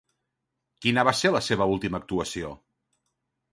Quina va ser la seva última actuació?